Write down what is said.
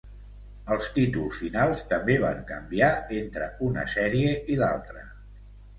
Els títols finals també van canviar entre una sèrie i l'altra.